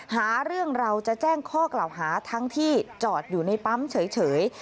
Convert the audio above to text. หาเรื่องเราจะแจ้งข้อกล่าวหาทั้งที่จอดอยู่ในปั๊มเฉย